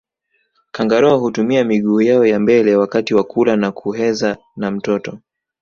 Kangaroo hutumia miguu yao ya mbele wakati wa kula na kuheza na mtoto